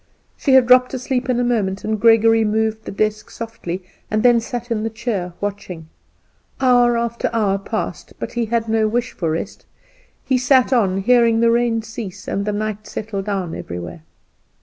She had dropped asleep in a moment, and Gregory moved the desk softly, and then sat in the chair watching. Hour after hour passed, but he had no wish for rest, and sat on, hearing the rain cease, and the still night settle down everywhere.